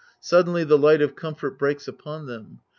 Suddenly the light of comfort breaks upon them.